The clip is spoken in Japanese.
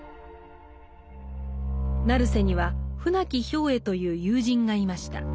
成瀬には船木兵衛という友人がいました。